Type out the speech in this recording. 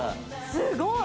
すごい！